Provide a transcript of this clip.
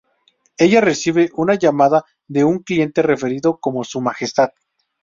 Ella recibe una llamada de un cliente referido como "Su Majestad".